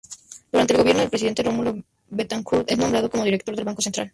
Durante el gobierno del presidente Rómulo Betancourt, es nombrado como director del Banco Central.